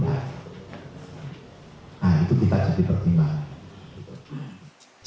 nah itu kita jadi pertimbangan